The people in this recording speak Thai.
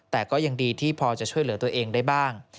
แต่ก็ยังดีที่พอจะช่วยเหลือตัวเองได้บ้าง